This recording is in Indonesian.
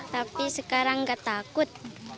tapi sekarang tidak takut